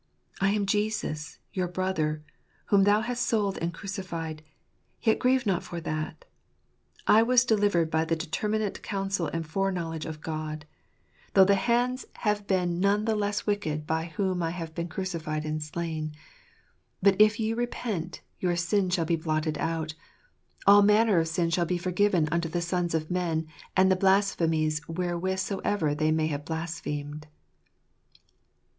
" I am Jesus, your brother, whom thou hast sold and crucified ; yet grieve not for that. I was delivered by the determinate counsel and fore knowledge of God ; though the hands "(Smite near unto me!" 117 ! have been none the less wicked by whom I have been crucified and slain. But if you repent, your sins shall be blotted out. All manner of sin shall be forgiven unto the sons of men, and the blasphemies wherewith soever they may have blasphemed.